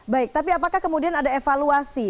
baik tapi apakah kemudian ada evaluasi